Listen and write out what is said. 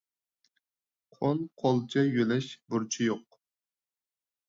قول قولچە يۆلەش بۇرچى يوق.